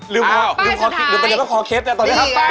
สุโคไทยครับสุโคไทยครับสุโคไทยครับสุโคไทยครับ